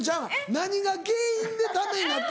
何が原因でダメになった？